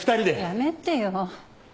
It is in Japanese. やめてよ。